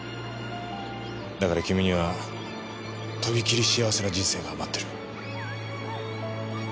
だから君にはとびきり幸せな人生が待ってる。